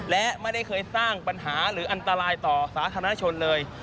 และไม่ได้เคยสร้างปัญหาหรืออันตรายต่อสาธารณชนเลย